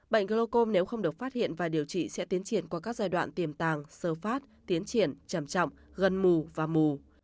bệnh glocom nếu không được phát hiện và điều trị sẽ tiến triển qua các giai đoạn tiềm tàng sơ phát tiến triển trầm trọng gần mù và mù